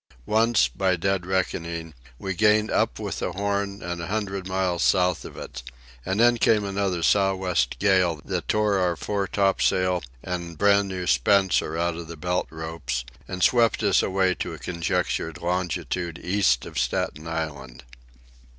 Once, by dead reckoning, we gained up with the Horn and a hundred miles south of it. And then came another sou'west gale that tore our fore topsail and brand new spencer out of the belt ropes and swept us away to a conjectured longitude east of Staten Island.